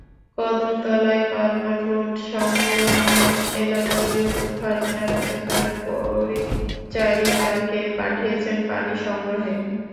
কদমতলার culvert রোড-সংলগ্ন এলাকার গৃহবধূ ফারজানা রাজ্জাক তাঁর পরিচারিকাকে পাঠিয়েছেন পানি সংগ্রহে।